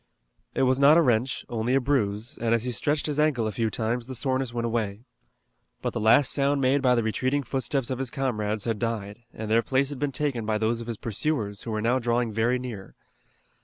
It was not a wrench, only a bruise, and as he stretched his ankle a few times the soreness went away. But the last sound made by the retreating footsteps of his comrades had died, and their place had been taken by those of his pursuers, who were now drawing very near.